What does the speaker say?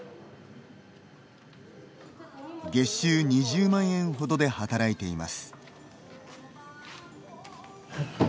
月収２０万円ほどで働いています。